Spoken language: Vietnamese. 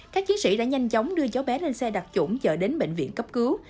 các chiến sĩ đã nhanh chóng đưa cháu bé lên xe đặt chủng chở đến bệnh viện cấp cứu